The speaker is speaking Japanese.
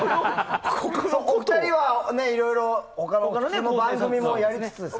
お二人はいろいろ番組もやりつつですから。